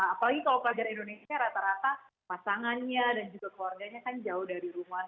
apalagi kalau pelajar indonesia rata rata pasangannya dan juga keluarganya kan jauh dari rumah